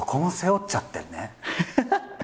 ハハハハ！